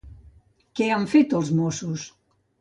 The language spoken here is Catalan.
Què han fet els mossos?